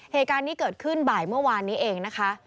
เหตุการณ์นี้เกิดขึ้นบ่ายเมื่อวานนี้เองนะคะ